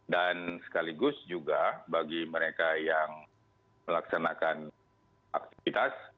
dan sekaligus juga bagi mereka yang melaksanakan aktivitas